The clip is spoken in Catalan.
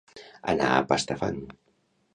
Anar a pastar fang